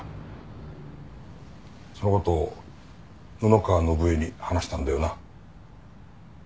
その事を布川伸恵に話したんだよな。